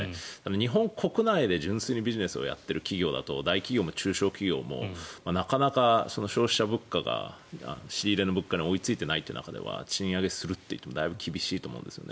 日本国内で純粋にビジネスをやっている企業だと大企業も中小企業もなかなか消費者物価が仕入れの物価に追いついていないという中では賃上げするといってもだいぶ厳しいと思うんですね。